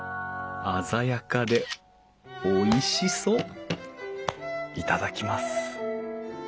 鮮やかでおいしそう頂きます。